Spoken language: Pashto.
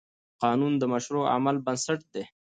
قانون د مشروع عمل بنسټ دی.